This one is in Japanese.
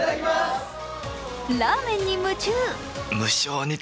ラーメンに夢中。